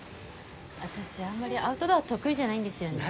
私あんまりアウトドア得意じゃないんですよね。